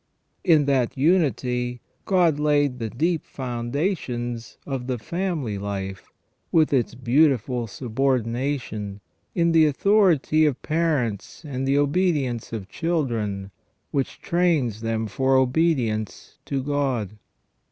In that unity God laid the deep foundations of the family life, with Its beautiful subordination, in the authority of parents and the obedience of children, which trains them for obedience to God.